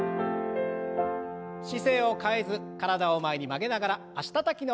姿勢を変えず体を前に曲げながら脚たたきの運動を。